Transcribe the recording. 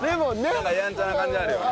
なんかヤンチャな感じあるよね。